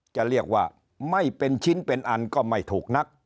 จะเรียกว่าไม่เป็นชิ้นเป็นอันก็ไม่ถูกนัก